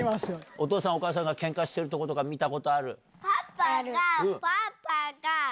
お父さんお母さんがケンカしてるとこ見たことある？